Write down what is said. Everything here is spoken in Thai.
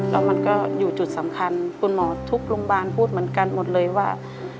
แล้วมันก็อยู่จุดสำคัญคุณหมอทุกโรงพยาบาลพูดเหมือนกันหมดเลยว่า